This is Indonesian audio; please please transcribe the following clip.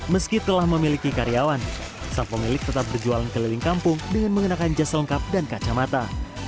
meski telah memiliki karyawan sang pemilik tetap berjualan keliling kampung dengan mengenakan jas lengkap dan kacamata